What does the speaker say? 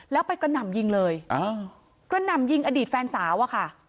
แล้วไปกระหน่ำยิงเลยกระหน่ำยิงอดีตแฟนสาวอะค่ะ